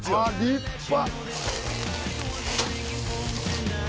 立派。